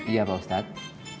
iya pak ustadz